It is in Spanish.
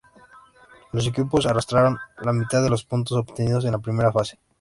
Los equipos arrastraron la mitad de los puntos obtenidos en la primera fase.